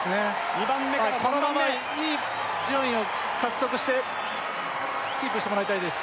２番目から３番目このままいい順位を獲得してキープしてもらいたいです